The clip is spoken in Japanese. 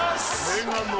念願の。